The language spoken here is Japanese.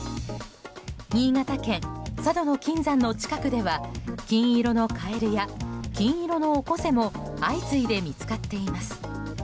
新潟県佐渡島の金山の近くでは金色のカエルや金色のオコゼも相次いで見つかっています。